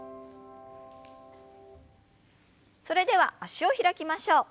それでは脚を開きましょう。